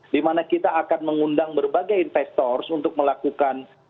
dimana kita akan mengundang berbagai investor untuk melakukan